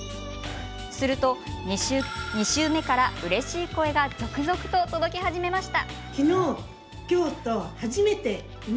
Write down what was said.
すると、２週目からうれしい声が続々と届き始めました。